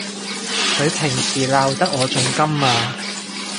佢平時鬧得我仲甘啊！